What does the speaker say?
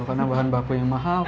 karena bahan bakunya mahal